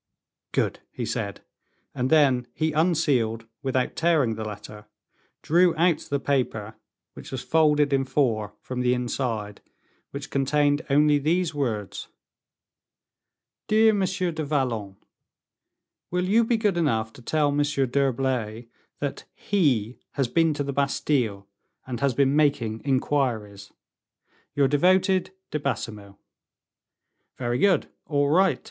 "Good!" he said, and then he unsealed, without tearing the letter, drew out the paper, which was folded in four, from the inside; which contained only these words: "DEAR MONSIEUR DU VALLON, Will you be good enough to tell Monsieur d'Herblay that he has been to the Bastile, and has been making inquiries. "Your devoted "DE BAISEMEAUX." "Very good! all right!"